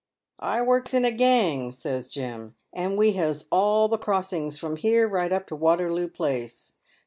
" I works in a gang," said Jim, " and we has all the crossings from here right up to Waterloo place.